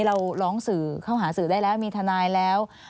เราร้องสื่อเข้าหาสื่อได้แล้ว